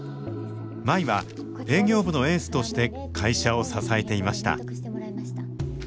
舞は営業部のエースとして会社を支えていました。